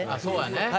そうやね。